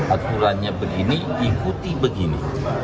aturannya begini ikuti begini